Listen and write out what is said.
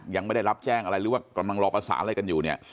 ยังไม่ได้รับแจ้งอะไรหรือว่ากำลังรอประสานอะไรกันอยู่เนี่ย